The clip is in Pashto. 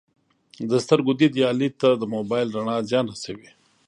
د سترګو دید یا لید ته د موبایل رڼا زیان رسوي